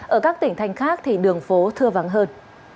ở các tỉnh thành khác thì đường phố thưa vắng hơn